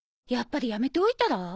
やっぱりやめておいたら？